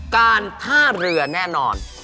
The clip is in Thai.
การธ่าเรือเนี่ยนอน